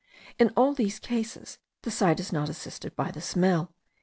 In all these cases, the sight is not assisted by the smell.)